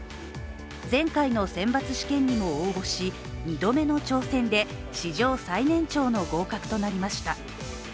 前回の選抜試験にも応募し、２度目の挑戦で史上最年長の合格となりました。